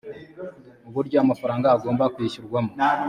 uburyo amafaranga agomba kwishyurwamo